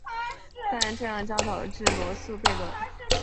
但这样将导致罗素悖论。